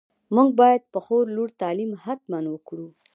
موږ باید په خور لور تعليم حتماً وکړو.